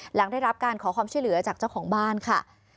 หลังได้รับการขอความช่วยเหลือจากเจ้าของบ้านค่ะ